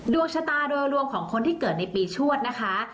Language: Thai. ดวงชะตาโดยรวมของคนที่เกิดในปีชวดนะคะ